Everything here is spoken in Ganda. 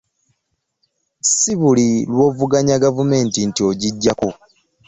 Si buli lw'ovuganya gavumenti nti ogiggyako